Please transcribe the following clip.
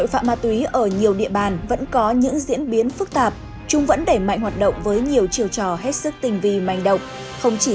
hãy đăng ký kênh để ủng hộ kênh của chúng mình nhé